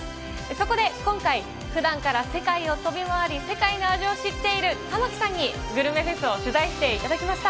そこで今回、ふだんから世界を飛び回り、世界の味を知っている玉城さんに、グルメフェスを取材していただきました。